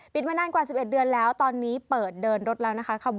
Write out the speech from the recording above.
มานานกว่า๑๑เดือนแล้วตอนนี้เปิดเดินรถแล้วนะคะ